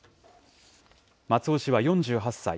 松尾氏は４８歳。